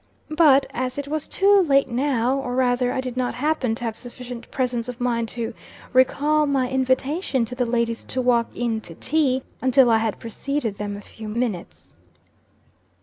But, as it was too late now, or, rather, I did not happen to have sufficient presence of mind to recall my invitation to the ladies to walk in to tea, until I had preceded them a few minutes.